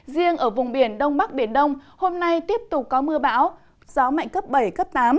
riêng ở vùng biển đông bắc biển đông hôm nay tiếp tục có mưa bão gió mạnh cấp bảy cấp tám